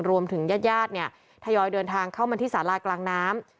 รวมถึงญาติญาติเนี่ยทยอยเดินทางเข้ามาที่สารากลางน้ำ